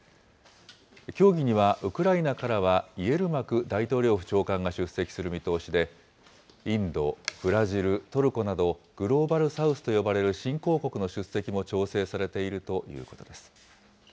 協議には、ウクライナからはイエルマク大統領府長官が出席する見通しで、インド、ブラジル、トルコなど、グローバル・サウスと呼ばれる新興国の出席も調整されているということです。